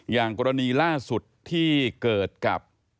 อย่างกรณีล่าสุดที่เกิดกับ